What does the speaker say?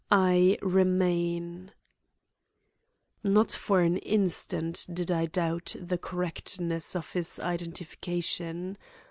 I REMAIN Not for an instant did I doubt the correctness of this identification.